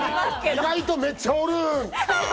意外とめっちゃおる！